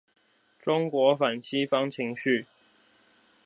中國反西方情緒